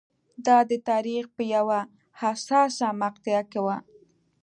دا د تاریخ په یوه حساسه مقطعه کې و.